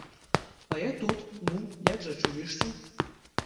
А я тут, ну, як жа чуешся?